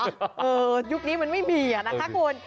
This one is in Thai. เออยุคนี้มันไม่มีอะนะคะคุณ